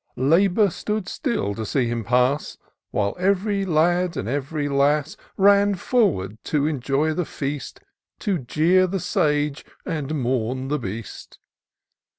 Labour stood still to see him pass. While ev'ry lad and ev'ry lass Ran forward to enjoy the feast, To jeer the sage, and mourn the beast.